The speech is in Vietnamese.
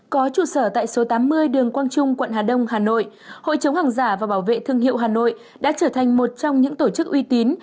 có trụ sở tại số tám mươi đường quang trung quận hà đông hà nội hội chống hàng giả và bảo vệ thương hiệu hà nội đã trở thành một trong những tổ chức uy tín